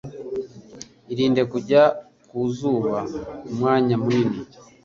Irinde kujya kuzuba umwanya munini